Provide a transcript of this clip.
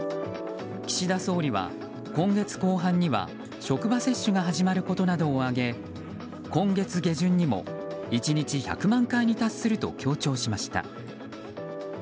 岸田総理は今月後半には職場接種が始まることなどを挙げ今月下旬にも１日１００万回に達すると強調しました。